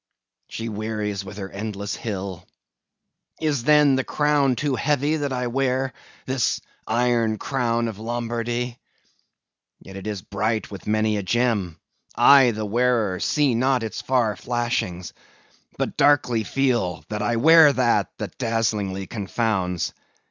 she wearies with her endless hill. Is, then, the crown too heavy that I wear? this Iron Crown of Lombardy. Yet is it bright with many a gem; I the wearer, see not its far flashings; but darkly feel that I wear that, that dazzlingly confounds.